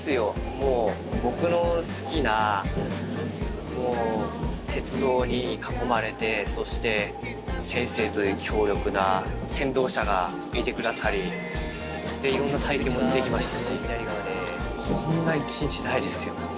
もう、僕の好きな鉄道に囲まれて、そして、先生という強力な先導者がいてくださり、いろんな体験もできましたし、こんな一日ないですよ。